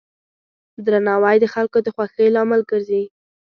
درناوی د خلکو د خوښۍ لامل ګرځي.